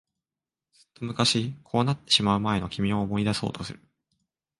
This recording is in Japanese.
ずっと昔、こうなってしまう前の君を思い出そうとする。